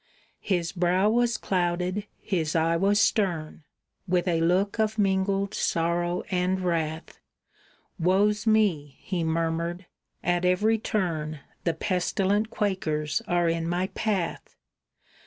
His brow was clouded, his eye was stern, With a look of mingled sorrow and wrath; "Woe's me!" he murmured: "at every turn The pestilent Quakers are in my path!